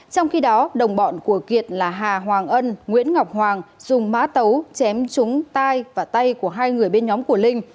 trong khi đó đồng bọn của kiệt là hà hoàng ân nguyễn ngọc hoàng dùng mã tấu chém trúng tay và tay của hai người bên nhóm của linh